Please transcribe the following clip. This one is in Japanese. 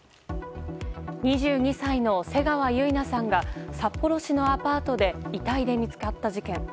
２２歳の瀬川結菜さんが札幌市のアパートで遺体で見つかった事件。